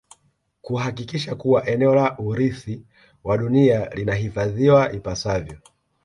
Kuhakikisha kuwa eneo la urithi wa dunia linahifadhiwa ipasavyo